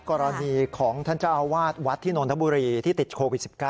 กรณีของท่านเจ้าอาวาสวัดที่นนทบุรีที่ติดโควิด๑๙